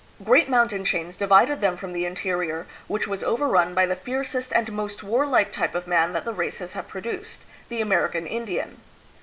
Great mountain chains divided them from the interior, which was overrun by the fiercest and most warlike type of man that the races have produced the American In dian.